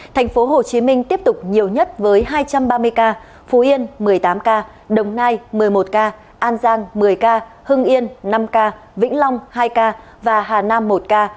thành phố hồ chí minh tiếp tục nhiều nhất với hai trăm ba mươi ca phú yên một mươi tám ca đồng nai một mươi một ca an giang một mươi ca hưng yên năm ca vĩnh long hai ca và hà nam một ca